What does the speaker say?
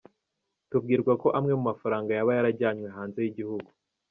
Tubwirwa ko amwe mu mafaranga yaba yarajyanwe hanze y’igihugu.